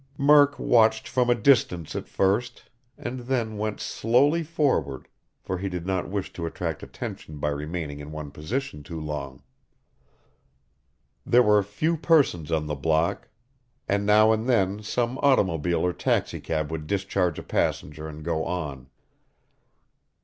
Murk watched from a distance at first, and then went slowly forward, for he did not wish to attract attention by remaining in one position too long. There were few persons on the block; and now and then some automobile or taxicab would discharge a passenger and go on.